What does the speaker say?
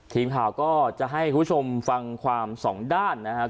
ทีมข่าวก็จะให้คุณผู้ชมฟังความสองด้านนะครับ